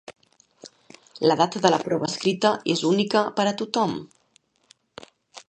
La data de la prova escrita és única per a tothom.